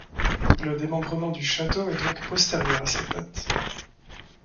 Le démembrement du château est donc postérieur à cette date.